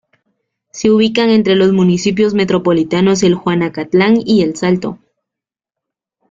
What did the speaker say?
Se ubican entre los municipios metropolitanos de Juanacatlán y El Salto.